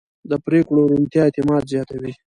د پرېکړو روڼتیا اعتماد زیاتوي